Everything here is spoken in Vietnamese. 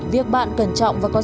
việc bạn cần trọng và có giá trị